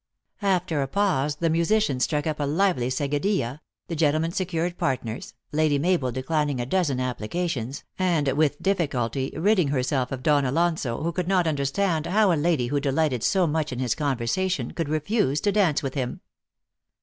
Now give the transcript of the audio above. After a pause the musicians struck up a lively seguidilla, the gentlemen secured partners, Lady Mabel declining a dozen applications, and with diffi culty ridding herself of Don Alonso, who could not understand how a lady who delighted so much in his conversation could refuse to dance with him.